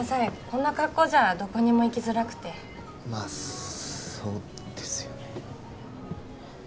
こんな格好じゃどこにも行きづらくてまあそうですよね